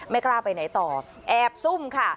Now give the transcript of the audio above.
กล้าไปไหนต่อแอบซุ่มค่ะ